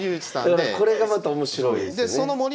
だからこれがまた面白いですよね。